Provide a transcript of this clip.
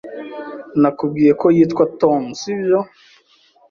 Nakubwiye ko yitwa Tom, sibyo?